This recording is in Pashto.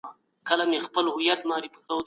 اقتصاد پوهانو دولت ته نوې مشهوري ورکړي.